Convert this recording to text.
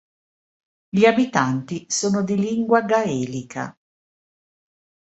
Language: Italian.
Gli abitanti sono di lingua gaelica.